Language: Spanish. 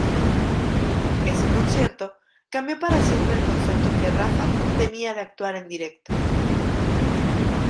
Ese concierto cambió para siempre el concepto que Rafa tenía de actuar en directo.